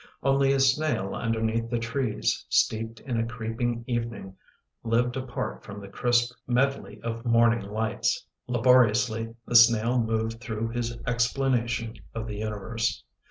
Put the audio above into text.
Only a snail underneath the trees, steeped in a creeping evening, lived apart from the crisp medley of morning lights. Laboriously, the snail moved through his explanation of the universe.